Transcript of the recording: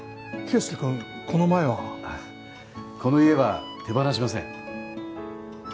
圭介君この前はあっこの家は手放しません